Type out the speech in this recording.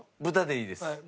豚でいいです。